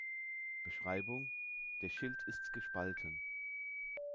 Beschreibung: "Der Schild ist gespalten.